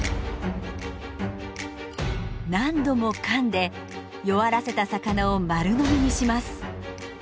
何度もかんで弱らせた魚を丸飲みにします。